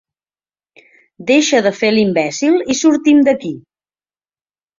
Deixa de fer l'imbècil i sortim d'aquí.